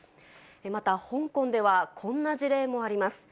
また香港では、こんな事例もあります。